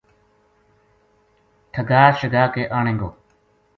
ٹھگا شگا کے آنے گو‘‘